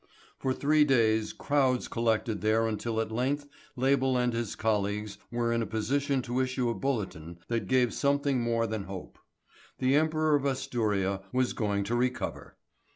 For three days crowds collected there until at length Label and his colleagues were in a position to issue a bulletin that gave something more than hope. The Emperor of Asturia was going to recover.